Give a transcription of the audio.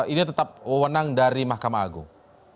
ini tetap wenang dari mahkamah agung